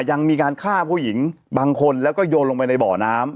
ยังมีการฆ่าผู้หญิงบางคนแล้วก็โยนลงไปในบ่อน้ำ